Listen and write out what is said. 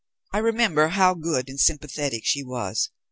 I remember well how good and sympathetic she was.